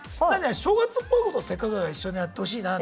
正月っぽいことをせっかくだから一緒にやってほしいななんて